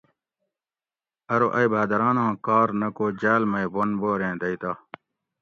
ارو ائ بھاۤدراۤناں کار نہ کو جاۤل مئ بن بوریں دئ تہ